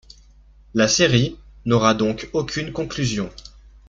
La série n'aura donc aucune conclusion.